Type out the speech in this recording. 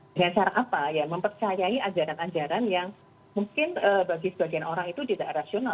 dengan cara apa ya mempercayai ajaran ajaran yang mungkin bagi sebagian orang itu tidak rasional